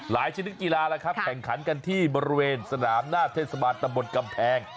หลายชนิดกีฬาแข่งขันกันที่บริเวณสนามหน้าเทศสมานตำบลกำแพง